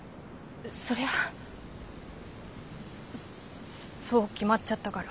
そりゃあそう決まっちゃったから。